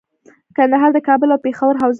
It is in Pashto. ګندهارا د کابل او پیښور حوزه وه